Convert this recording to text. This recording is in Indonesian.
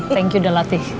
thank you delati